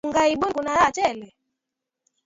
Ughaibuni kuna raha tele